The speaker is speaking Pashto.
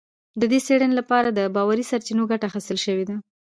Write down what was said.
د دې څېړنې لپاره له باوري سرچینو ګټه اخیستل شوې ده